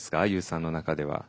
Ｕさんの中では。